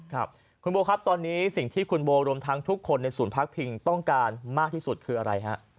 ครับคุณโบครับตอนนี้สิ่งที่คุณโบรวมทั้งทุกคนในศูนย์พักพิงต้องการมากที่สุดคืออะไรฮะ